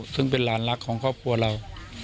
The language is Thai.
ซึ่งเป็นหลานรักของครอบครัวเรา